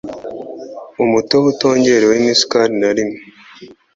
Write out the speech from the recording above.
umutobe utongerewemo isukari narimwe